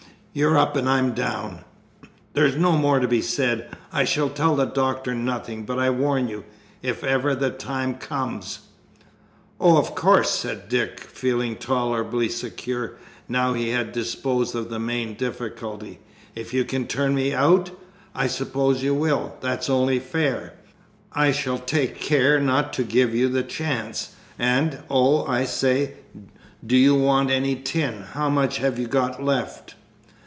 You're up and I'm down there's no more to be said I shall tell the Doctor nothing, but I warn you, if ever the time comes " "Oh, of course," said Dick, feeling tolerably secure, now he had disposed of the main difficulty. "If you can turn me out, I suppose you will that's only fair. I shall take care not to give you the chance. And, oh, I say, do you want any tin? How much have you got left?"